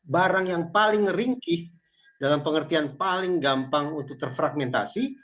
barang yang paling ringkih dalam pengertian paling gampang untuk terfragmentasi